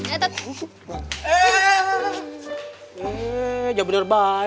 eh eh eh jangan berubah